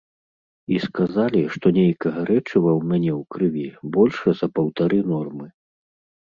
І сказалі, што нейкага рэчыва ў мяне ў крыві больш за паўтары нормы.